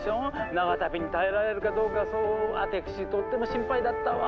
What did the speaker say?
長旅に耐えられるかどうかそうアテクシとっても心配だったわ。